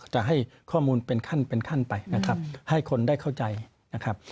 จะให้ข้อมูลเป็นขั้นเป็นขั้นไปนะครับให้คนได้เข้าใจนะครับ